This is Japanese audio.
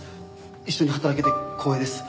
一緒に働けて光栄です。